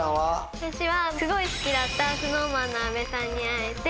私はすごい好きだったＳｎｏｗＭａｎの阿部さんに会えて。